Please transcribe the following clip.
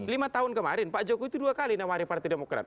lima tahun kemarin pak jokowi itu dua kali nawari partai demokrat